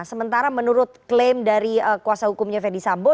sementara menurut klaim dari kuasa hukumnya verdi sambo